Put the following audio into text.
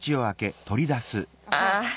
ああ。